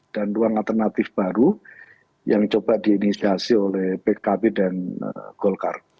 ruang alternatif baru yang coba diinisiasi oleh pkb dan golkar